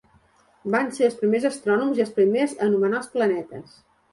Van ser els primers astrònoms i els primers a anomenar els planetes.